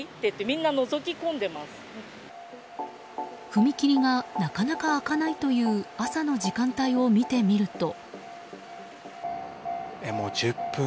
踏切がなかなか開かないという朝の時間帯を見てみると。